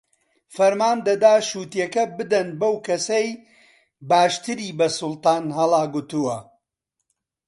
فەرمان دەدا شووتییەکە بدەن بەو کەسەی باشتری بە سوڵتان هەڵاکوتووە